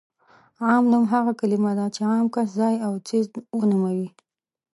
عام نوم هغه کلمه ده چې عام کس، ځای او څیز ونوموي.